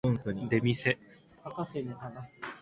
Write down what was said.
出店